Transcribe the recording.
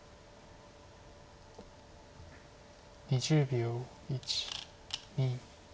２０秒。